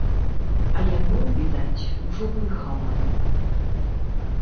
А яно, відаць, ужо пыхала.